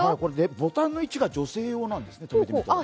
ボタンの位置が女性用なんですね。